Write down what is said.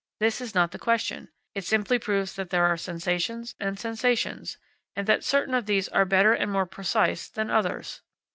This is not the question. It simply proves that there are sensations and sensations, and that certain of these are better and more precise than others.